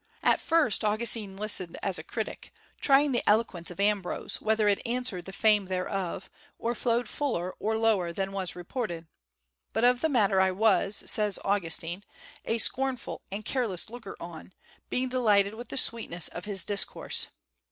At first Augustine listened as a critic, trying the eloquence of Ambrose, whether it answered the fame thereof, or flowed fuller or lower than was reported; "but of the matter I was," says Augustine, "a scornful and careless looker on, being delighted with the sweetness of his discourse.